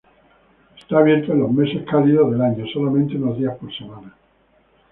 Está abierto en los meses cálidos del año solamente unos días por semana.